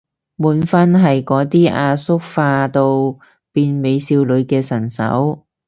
滿分係嗰啲由阿叔化到變美少女嘅神手